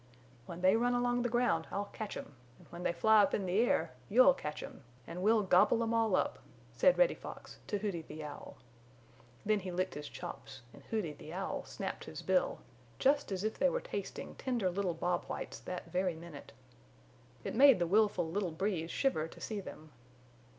"When they run along the ground I'll catch 'em, and when they fly up in the air you'll catch 'em, and we'll gobble 'em all up," said Reddy Fox to Hooty the Owl. Then he licked his chops and Hooty the Owl snapped his bill, just as if they were tasting tender little Bob Whites that very minute. It made the willful little Breeze shiver to see them.